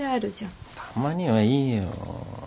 たまにはいいよ。